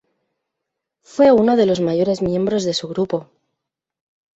Fue uno de los mayores miembros de su grupo.